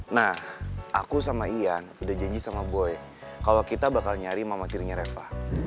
nah aku sama ian udah janji sama boy kalau kita bakal nyari mama tirinya reva